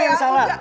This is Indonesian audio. lo yang salah